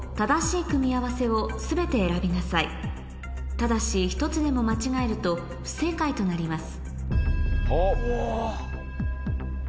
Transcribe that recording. ただし１つでも間違えると不正解となります